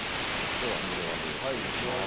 では二度揚げをしていきます